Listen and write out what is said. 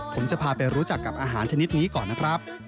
ผมจะพาไปรู้จักกับอาหารชนิดนี้ก่อนนะครับ